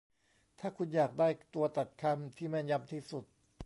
ถ้าคุณอยากได้ตัวตัดคำที่แม่นยำที่สุด